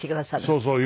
そうそう。